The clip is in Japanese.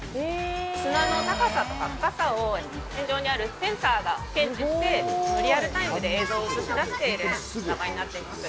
砂の高さとか深さを天井にあるセンサーが検知して、リアルタイムで映像を映し出している砂場になっています。